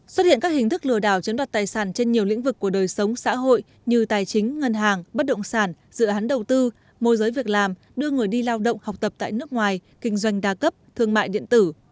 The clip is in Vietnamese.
xuất hiện các hình thức lừa đảo chiếm đoạt tài sản trên nhiều lĩnh vực của đời sống xã hội như tài chính ngân hàng bất động sản dự án đầu tư môi giới việc làm đưa người đi lao động học tập tại nước ngoài kinh doanh đa cấp thương mại điện tử